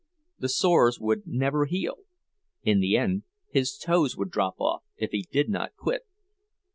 The sores would never heal—in the end his toes would drop off, if he did not quit.